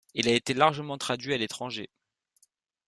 Il a été largement traduit à l'étranger.